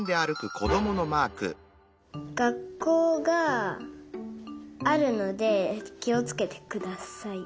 がっこうがあるのできをつけてください。